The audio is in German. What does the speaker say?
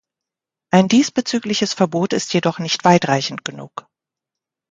Ein diesbezügliches Verbot ist jedoch nicht weitreichend genug.